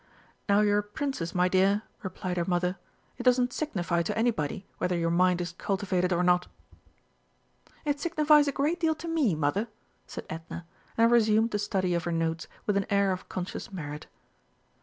"Now you're a Princess, my dear," replied her mother, "it doesn't signify to anybody whether your mind is cultivated or not." "It signifies a great deal to me, mother," said Edna, and resumed the study of her notes with an air of conscious merit.